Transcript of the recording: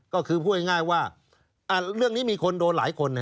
ก็คือพูดง่ายว่าเรื่องนี้มีคนโดนหลายคน